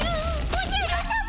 おじゃるさま！